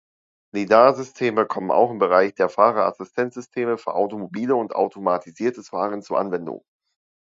Lidar-Systeme kommen auch im Bereich der Fahrerassistenzsysteme für Automobile und „automatisiertes Fahren“ zur Anwendung.